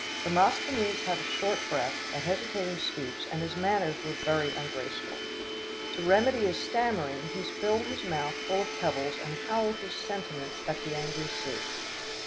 Demosthenes had a short breath, a hesitating speech, and his manners were very ungraceful. To remedy his stammering, he filled his mouth full of pebbles and howled his sentiments at the angry sea.